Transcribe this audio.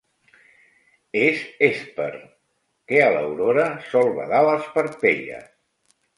És Hèsper, que a l'Aurora sol badar les parpelles.